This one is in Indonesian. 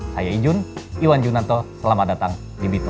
saya ijun iwan junanto selamat datang di bitu